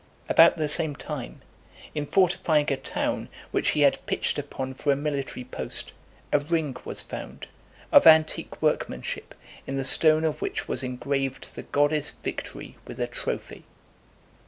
About the same time, in fortifying a town, which he had pitched upon for a military post, a ring was found, of antique workmanship, in the stone of which was engraved the goddess Victory with a trophy.